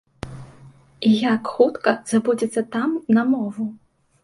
І як хутка забудзецца там на мову?